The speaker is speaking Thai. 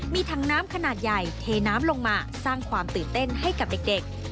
มีถังน้ำขนาดใหญ่เทน้ำลงมาสร้างความตื่นเต้นให้กับเด็ก